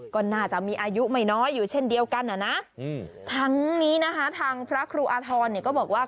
ก็น่าจะมีอายุไม่น้อยอยู่เช่นเดียวกันอ่ะนะทั้งนี้นะคะทางพระครูอาทรเนี่ยก็บอกว่า